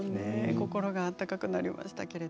心が温かくなりました。